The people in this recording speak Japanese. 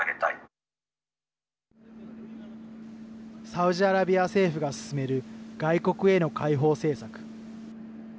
サウジアラビア政府が進める外国への開放政策。